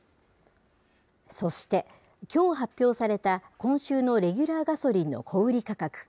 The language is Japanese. そして、きょう発表された、今週のレギュラーガソリンの小売り価格。